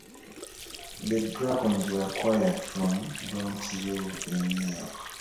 The dragons were acquired from Bronx Zoo in New York.